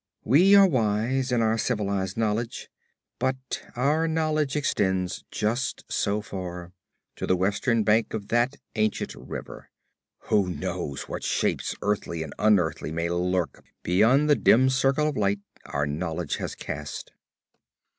We are wise in our civilized knowledge, but our knowledge extends just so far to the western bank of that ancient river! Who knows what shapes earthly and unearthly may lurk beyond the dim circle of light our knowledge has cast?